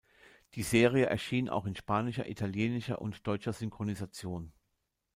Die Serie erschien auch in spanischer, italienischer und deutscher Synchronisation.